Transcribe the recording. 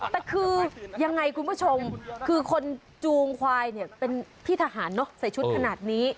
แต่คือยังไงคุณผู้ชมคือคนจูงควายเนี่ยเป็นพี่ทหารเนอะใส่ชุดขนาดนี้